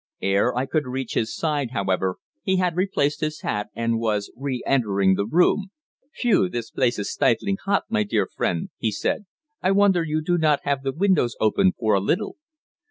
Ere I could reach his side, however, he had replaced his hat, and was re entering the room. "Phew! this place is stifling hot, my dear friend," he said. "I wonder you do not have the windows open for a little!"